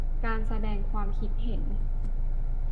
การแสดงความคิดเห็น